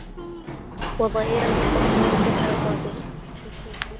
وضيئلة تختال في حركاتها